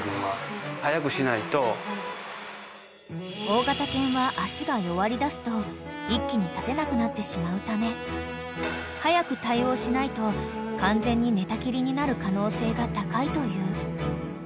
［大型犬は脚が弱りだすと一気に立てなくなってしまうため早く対応しないと完全に寝たきりになる可能性が高いという］